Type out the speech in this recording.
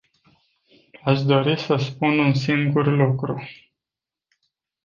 Aș dori să spun un singur lucru.